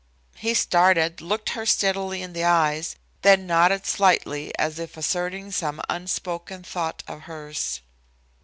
He started, looked her steadily in the eyes, then nodded slightly as if asserting some unspoken thought of hers.